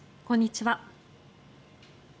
こんにちは。